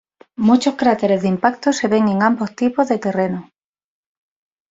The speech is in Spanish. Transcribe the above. Muchos cráteres de impacto se ven en ambos tipos de terreno.